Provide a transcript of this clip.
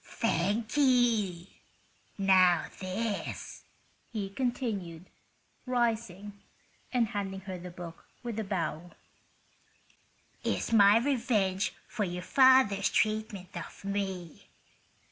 "Thank you. Now this," he continued, rising and handing her the book with a bow, "is my revenge for your father's treatment of me.